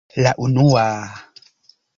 La unua...